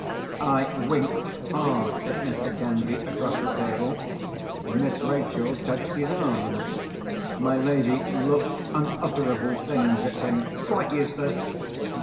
I winked hard at Mr. Candy across the table. Miss Rachel touched his arm. My lady looked unutterable things at him. Quite useless!